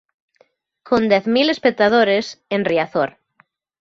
Con dez mil espectadores en Riazor.